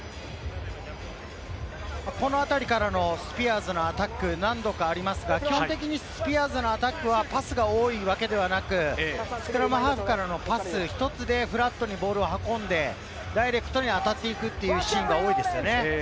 このあたりからのスピアーズのアタック、何度かありますが、基本的にスピアーズのアタックはパスが多いわけではなく、スクラムハーフからのパス１つでフラットにボールを運んで、ダイレクトに当たっていくというシーンが多いですよね。